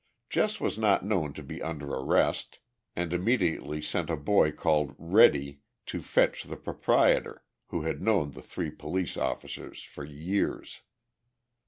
Jess was not known to be under arrest, and immediately sent a boy called "Reddy" to fetch the proprietor, who had known the three police officers for years.